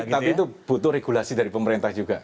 tapi itu butuh regulasi dari pemerintah juga